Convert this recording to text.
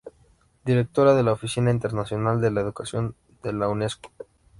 Directora de la Oficina Internacional de la Educación de la Unesco.